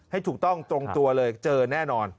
ให้ถูกต้องตรงตัวเลยเจอแน่นอน